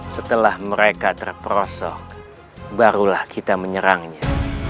setelah mereka terperosok barulah kita menyerangnya